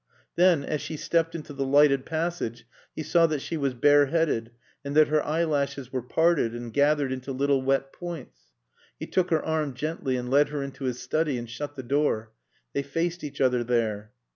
Then, as she stepped into the lighted passage, he saw that she was bareheaded and that her eyelashes were parted and gathered into little wet points. He took her arm gently and led her into his study and shut the door. They faced each other there.